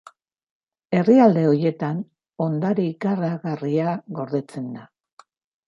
Herrialde horietan, ondare ikaragarria gordetzen da.